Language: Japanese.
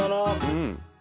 うん。